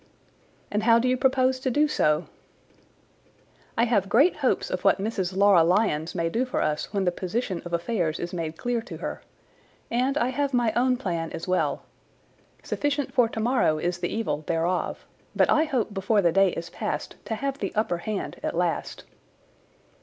"And how do you propose to do so?" "I have great hopes of what Mrs. Laura Lyons may do for us when the position of affairs is made clear to her. And I have my own plan as well. Sufficient for tomorrow is the evil thereof; but I hope before the day is past to have the upper hand at last."